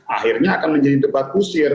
akhirnya akan menjadi debat kusir